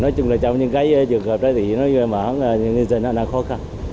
nói chung là trong những trường hợp đó thì dân nó khó khăn